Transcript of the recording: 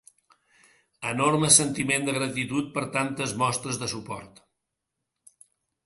Enorme sentiment de gratitud per tantes mostres de suport.